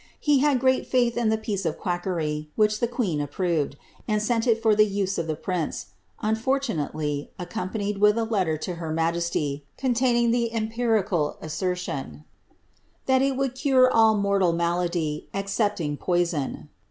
He had great (anh in tjit. piece of ijiiackcrv, which llie queen approved, and sent il fcr ihe use of the prince, unfortunately, accompanied witli a letter to her majcslv, contaui iiie the empiriral assertion, " that it would cure all mortal malady, ex cepting poison."